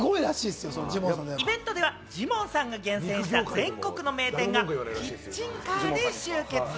イベントではジモンさんが厳選した全国の名店がキッチンカーで集結。